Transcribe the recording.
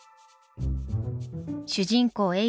主人公え